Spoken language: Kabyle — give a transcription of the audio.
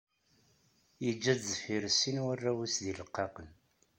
Yeǧǧa-d deffir-s sin warraw-is d ileqqaqen.